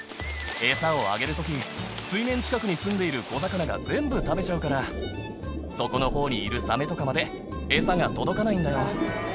餌をあげるとき、水面近くに住んでいる小魚が全部食べちゃうから、底のほうにいるサメとかまで、餌が届かないんだよ。